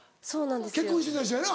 結婚してた人やな。